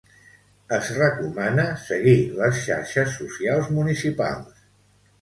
es recomana seguir les xarxes socials municipals